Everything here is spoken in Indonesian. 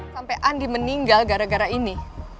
sampai andi meninggal gara gara ini